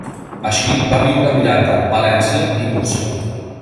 Així, va viure a Miranda, Palència i Múrcia.